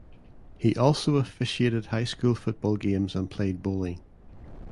He also officiated high school football games and played bowling.